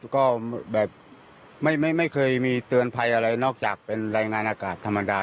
ก็แบบไม่เคยมีเตือนภัยอะไรนอกจากเป็นรายงานอากาศธรรมดา